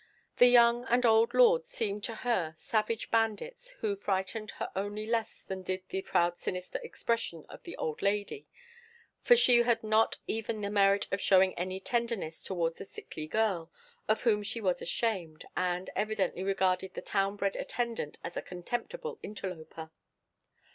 The young and old lords seemed to her savage bandits, who frightened her only less than did the proud sinister expression of the old lady, for she had not even the merit of showing any tenderness towards the sickly girl, of whom she was ashamed, and evidently regarded the town bred attendant as a contemptible interloper.